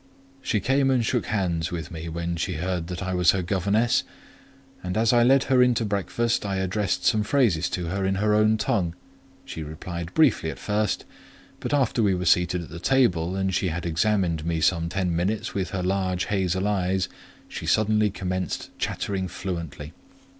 She came and shook hands with me when she heard that I was her governess; and as I led her in to breakfast, I addressed some phrases to her in her own tongue: she replied briefly at first, but after we were seated at the table, and she had examined me some ten minutes with her large hazel eyes, she suddenly commenced chattering fluently.